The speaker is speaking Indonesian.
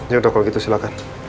jangan tokoh gitu silakan